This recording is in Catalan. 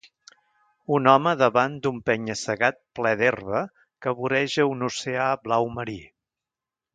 un home davant d'un penya-segat ple d'herba que voreja un oceà blau marí.